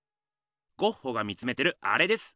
ゴッホが見つめてるアレです。